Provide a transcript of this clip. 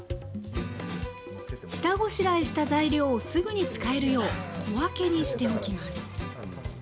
下ごしらえした材料をすぐに使えるよう小分けにしておきます